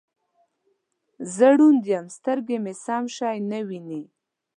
زه ړوند یم سترګې مې سم شی نه وینې